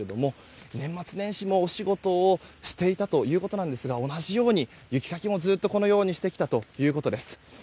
年末年始も、お仕事をしていたということなんですが同じように雪かきもずっと、このようにしてきたということです。